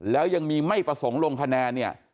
แล้วยังมีไม่ประสงค์ลงคะแนนเนี่ย